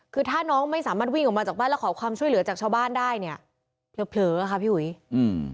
คือถ้าน้องไม่สามารถวิ่งออกมาจากบ้านแล้วขอความช่วยเหลือจากชาวบ้านได้เนี้ยเผลอเผลอค่ะพี่หุยอืม